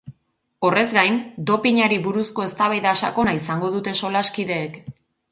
Horrez gain, dopinari buruzko eztabaida sakona izango dute solaskideek.